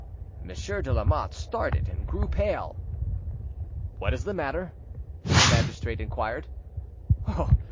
'" Monsieur de Lamotte started, and grew pale. "What is the matter?" the magistrate inquired.